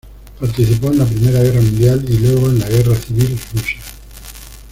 Participó en la Primera Guerra Mundial y luego en la Guerra Civil Rusa.